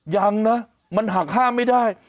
ยังนะมันหักห้ามไม่ได้